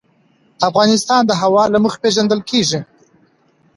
افغانستان د هوا له مخې پېژندل کېږي.